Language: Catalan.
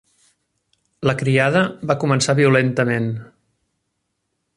La criada va començar violentament.